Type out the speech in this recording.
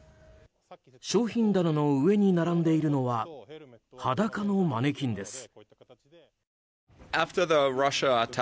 商品棚の上に並んでいるのは裸のマネキンです。